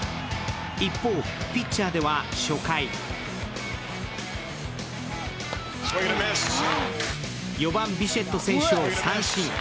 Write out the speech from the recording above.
一方、ピッチャーでは初回４番・ビシェット選手を三振。